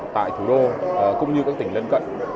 tại thủ đô cũng như các tỉnh lân cận